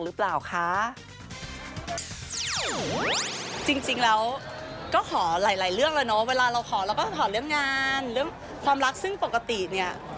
เรื่องความรักซึ่งปกติเนี่ย